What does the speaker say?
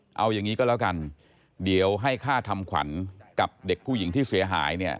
เอาอย่างนี้ก็แล้วกันเดี๋ยวให้ค่าทำขวัญกับเด็กผู้หญิงที่เสียหายเนี่ย